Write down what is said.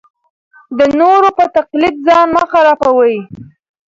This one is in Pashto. د نورو په تقلید ځان مه خرابوئ.